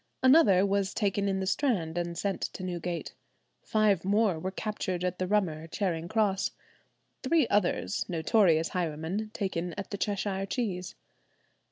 Another was taken in the Strand and sent to Newgate. Five more were captured at the Rummer, Charing Cross; three others, notorious highwaymen, taken at the "Cheshire Cheeze."